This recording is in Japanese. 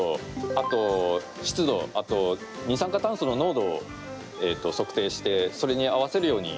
あと湿度あと二酸化炭素の濃度を測定してそれに合わせるように自動的に動いております。